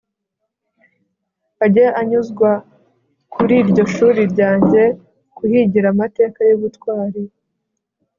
ajye anyuzwa kuri iryo shuri rya nyange kuhigira amateka y'ubutwari